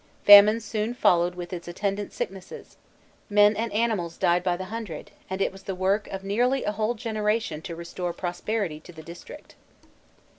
Famine soon followed with its attendant sicknesses: men and animals died by the hundred, and it was the work of nearly a whole generation to restore prosperity to the district.